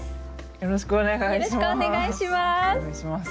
よろしくお願いします。